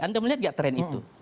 anda melihat nggak tren itu